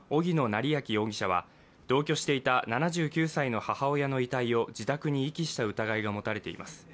成訓容疑者は同居していた７９歳の母親の遺体を自宅に遺棄した疑いが持たれています。